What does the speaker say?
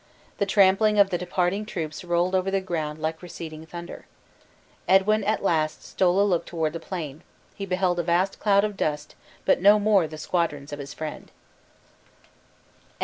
The trampling of the departing troops rolled over the ground like receding thunder. Edwin at last stole a look toward the plain; he beheld a vast cloud of dust, but no more the squadrons of his friend.